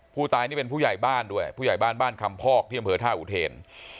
ผู้ตายนี่เป็นผู้ใหญ่บ้านด้วยผู้ใหญ่บ้านบ้านคำพอกที่อำเภอท่าอุเทน